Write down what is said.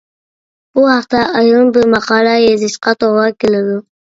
بۇ ھەقتە ئايرىم بىر ماقالە يېزىشقا توغرا كېلىدۇ.